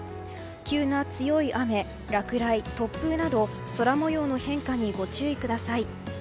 急な強い雨、落雷、突風など空模様の変化にご注意ください。